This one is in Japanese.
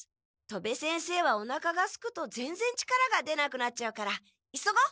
戸部先生はおなかがすくとぜんぜん力が出なくなっちゃうから急ごう！